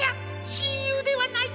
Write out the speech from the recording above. しんゆうではないか。